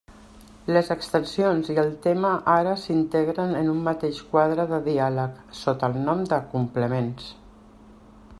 Les extensions i el temes ara s'integren en un mateix quadre de diàleg, sota el nom de Complements.